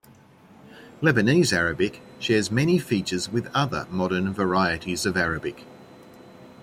Lebanese Arabic shares many features with other modern varieties of Arabic.